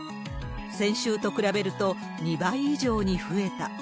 先週と比べると２倍以上に増えた。